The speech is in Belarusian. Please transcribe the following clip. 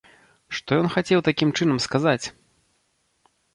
Што ён хацеў такім чынам сказаць?